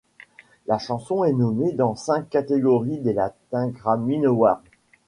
La chanson est nommée dans cinq catégories des Latin Grammy Awards.